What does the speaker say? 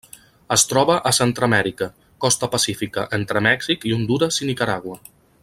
Es troba a Centreamèrica: costa pacífica entre Mèxic i Hondures i Nicaragua.